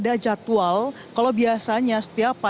ada jadwal kalau biasanya setiap hari ada jadwal